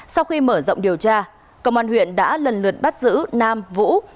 sau khi mở rộng điều tra công an huyện đã lần lượt bắt giữ nam vũ